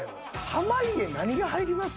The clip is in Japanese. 濱家何が入ります？